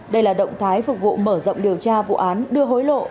đây là động thái phục vụ mở rộng điều tra vụ án đưa hối lộ